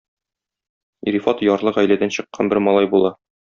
Рифат ярлы гаиләдән чыккан бер малай була.